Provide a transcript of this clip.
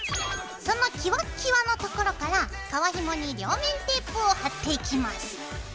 そのキワッキワのところから革ひもに両面テープを貼っていきます。